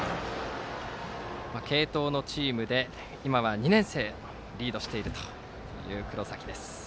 継投のチームで今は２年生をリードしている黒崎。